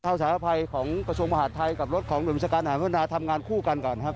เท่าสารภัยของกระชุมมหาดไทยกับรถของบิวนิจการอาหารพิษณาทำงานคู่กันก่อนครับ